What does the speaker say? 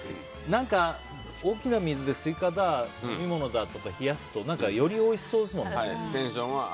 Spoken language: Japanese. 大きな水でスイカだ、飲み物だとかって冷やすとよりおいしそうですもんね。